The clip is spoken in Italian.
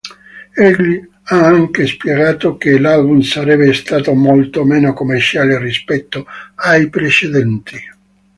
Egli, ha anche spiegato che l'album sarebbe stato "molto meno commerciale rispetto ai precedenti".